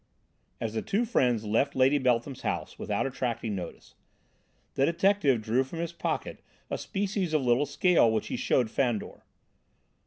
As the two friends left Lady Beltham's house without attracting notice, the detective drew from his pocket a species of little scale which he showed Fandor.